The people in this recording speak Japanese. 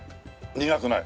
苦くない。